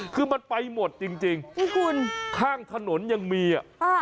คือมันไปหมดจริงข้างถนนยังมี